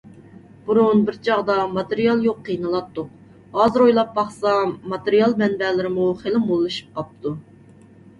بۇرۇن بىر چاغدا ماتېرىيال يوق قىينىلاتتۇق. ھازىر ئويلاپ باقسام ماتېرىيال مەنبەلىرىمۇ خېلى موللىشىپ قاپتۇ.